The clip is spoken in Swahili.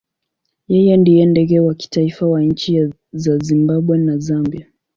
Yeye ndiye ndege wa kitaifa wa nchi za Zimbabwe na Zambia.